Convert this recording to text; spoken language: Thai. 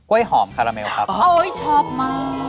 โอ๊ยชอบมาก